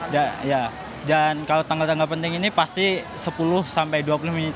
dan kalau tanggal tanggal penting ini pasti sepuluh dua puluh menit